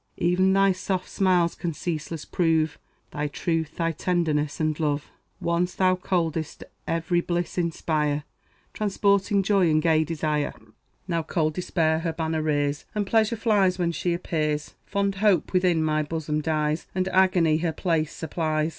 E'en thy soft smiles can ceaseless prove Thy truth, thy tenderness, and love. Once thou couldst every bliss inspire, Transporting joy and gay desire; Now cold Despair her banner rears, And Pleasure flies when she appears; Fond Hope within my bosom dies, And Agony her place supplies.